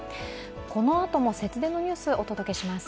このあとも節電のニュースお届けします。